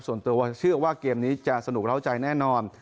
ส่วนตัวเชื่อว่าเกมนี้จะสนุกเล่าใจแน่นอน